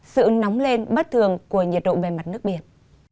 sự nóng lên bất thường của nhiệt độ bề mặt nước biển